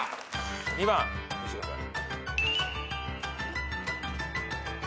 ２番見してください。